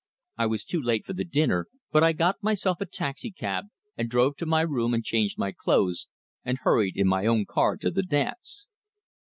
I was too late for the dinner, but I got myself a taxicab, and drove to my room and changed my clothes, and hurried in my own car to the dance.